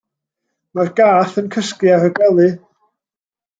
Mae'r gath yn cysgu ar y gwely.